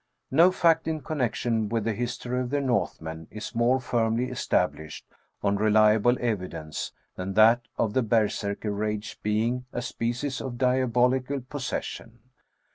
No fact in connection with the history of the North men is more firmly established, on reliable evidence, than that of the berserkr rage being a species of dia bolical possession.